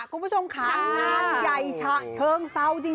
คุณผู้ชมค่ะนางใหญ่เชิงเศร้าจริง